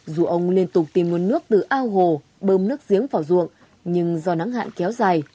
dù ông liên tục tìm nguồn nước từ ao hồ bơm nước giếng vào ruộng nhưng do nắng hạn kéo dài